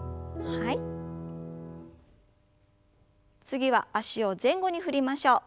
次は脚を前後に振りましょう。